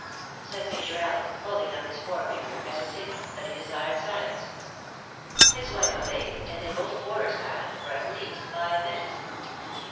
" said Major Allen, holding up his forefinger, as a signal that he desired silence. His wife obeyed, and they both were silent for at least five minutes.